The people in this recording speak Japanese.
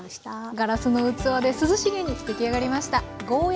ガラスの器で涼しげに出来上がりました。